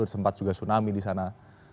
sempat juga tsunami di sana